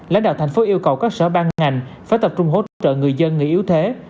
lãnh đạo thành phố yêu cầu các sở ban ngành phải tập trung hỗ trợ người dân người yếu thế